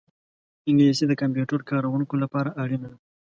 انګلیسي د کمپیوټر کاروونکو لپاره اړینه ده